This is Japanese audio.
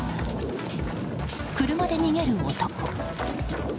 車で逃げる男。